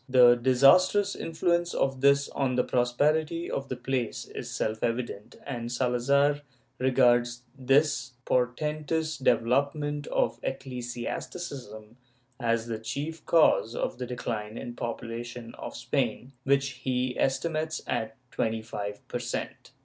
The disastrous influence of this on the prosperity of the place is self evident and Salazar regards this portentous development of ecclesiasticism as the chief cause of the decline in the population of Spain, which he estimates at twenty five per cent.